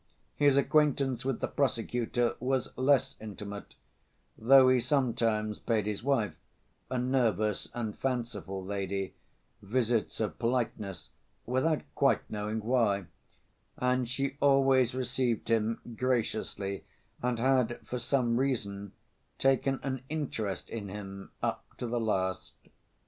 His acquaintance with the prosecutor was less intimate, though he sometimes paid his wife, a nervous and fanciful lady, visits of politeness, without quite knowing why, and she always received him graciously and had, for some reason, taken an interest in him up to the last.